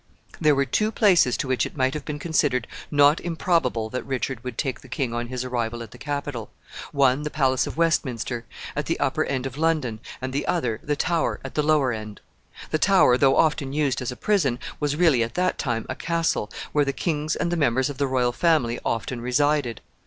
There were two places to which it might have been considered not improbable that Richard would take the king on his arrival at the capital one the palace of Westminster, at the upper end of London, and the other, the Tower, at the lower end. The Tower, though often used as a prison, was really, at that time, a castle, where the kings and the members of the royal family often resided.